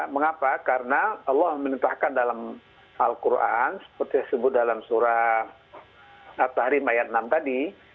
mengapa karena allah menentahkan dalam al quran seperti disebut dalam surah at tahrir mayat enam tadi